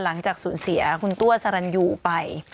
หลังจากสูญเสียคุณตัวสรรยูไป